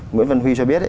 nguyễn văn huy cho biết